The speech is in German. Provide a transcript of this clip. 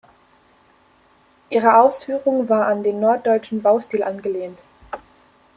Ihre Ausführung war an den norddeutschen Baustil angelehnt.